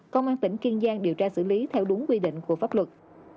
công an tỉnh kiên giang điều tra xử lý theo đúng quy định của pháp luật